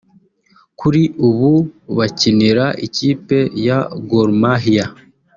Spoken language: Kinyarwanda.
kuri ubu bakinira ikipe ya Gor Mahia